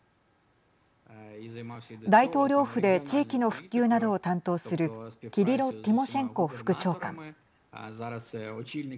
大統領府で地域の復旧などを担当するキリロ・ティモシェンコ副長官。